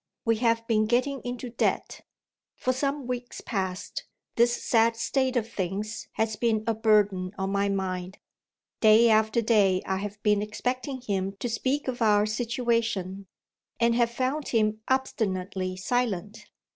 We have been getting into debt. For some weeks past, this sad state of things has been a burden on my mind. Day after day I have been expecting him to speak of our situation, and have found him obstinately silent.